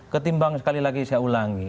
ketimbang sekali lagi saya ulangi